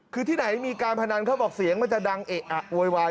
คือที่ไหนมีการพนันเขาบอกเสียงมันจะดังเอะอะโวยวาย